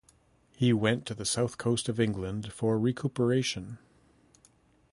He went to the south coast of England for recuperation.